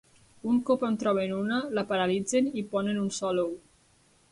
Un cop en troben una, la paralitzen i ponen un sol ou.